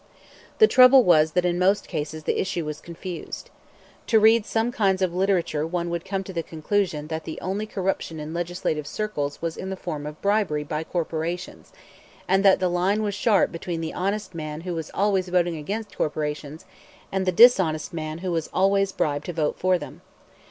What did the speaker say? The trouble was that in most cases the issue was confused. To read some kinds of literature one would come to the conclusion that the only corruption in legislative circles was in the form of bribery by corporations, and that the line was sharp between the honest man who was always voting against corporations and the dishonest man who was always bribed to vote for them.